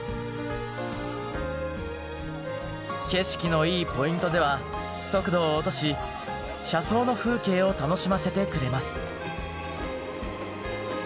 景色のいいポイントでは速度を落とし車窓の風景を楽しませてくれます。